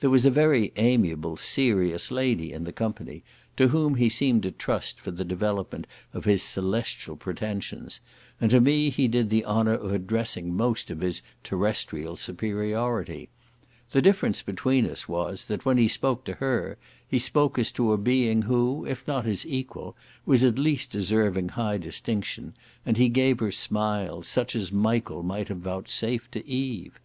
There was a very amiable serious lady in the company, to whom he seemed to trust for the development of his celestial pretensions, and to me he did the honour of addressing most of his terrestrial superiority. The difference between us was, that when he spoke to her, he spoke as to a being who, if not his equal, was at least deserving high distinction; and he gave her smiles, such as Michael might have vouchsafed to Eve.